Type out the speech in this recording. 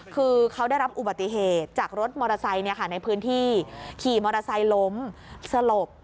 คือเขาได้รับอุบัติเหตุจากรถมอเตอร์ไซค์ในพื้นที่ขี่มอเตอร์ไซค์ล้มสลบ